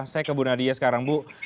saya ke bu nadia sekarang bu